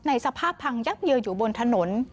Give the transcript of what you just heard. สภาพพังยับเยินอยู่บนถนน